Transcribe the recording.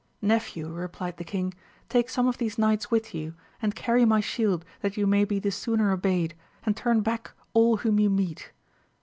Nephew, replied the king, take some of these knights with you, and carry my shield that you may be the sooner obeyed, and turn back all whom you meet.